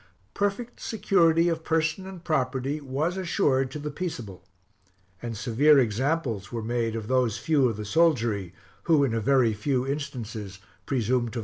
Perfect security of person and property was assured to the peaceable, and severe examples were made of those few of the soldiery, who, in a very few instances, presumed to violate it.